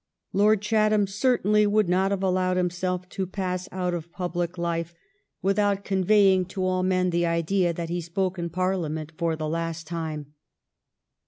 Lord Chatham certainly would not have allowed himself to pass out of public life without convey 390 THE STORY OF GLADSTONE'S LIFE ing to all men the idea that he spoke in Parliament for the last time.